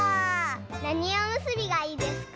なにおむすびがいいですか？